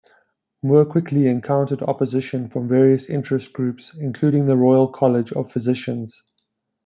Moore quickly encountered opposition from various interest groups, including the Royal College of Physicians.